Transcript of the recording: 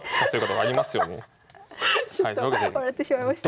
ちょっと笑ってしまいました。